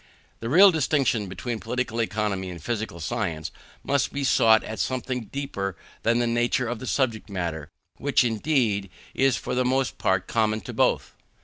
The real distinction between Political Economy and physical science must be sought in something deeper than the nature of the subject matter; which, indeed, is for the most part common to both.